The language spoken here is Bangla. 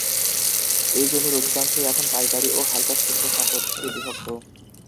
এই জমির অধিকাংশই এখন পাইকারি ও হালকা শিল্প সম্পত্তিতে বিভক্ত।